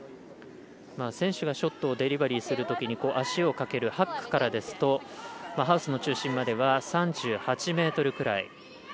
選手がショットをデリバリーするときに足をかけるハックからですとハウスの中心までは３８ｍくらい。